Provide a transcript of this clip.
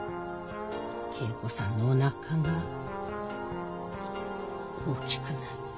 桂子さんのおなかが大きくなって。